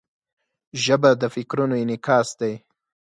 ژبه د فکرونو انعکاس دی